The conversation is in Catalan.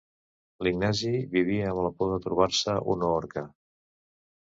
L'Ignasi vivia amb la por de trobar-se una orca.